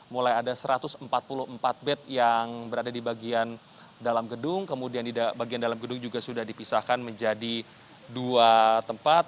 mulai ada satu ratus empat puluh empat bed yang berada di bagian dalam gedung kemudian bagian dalam gedung juga sudah dipisahkan menjadi dua tempat